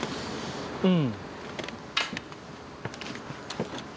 うん。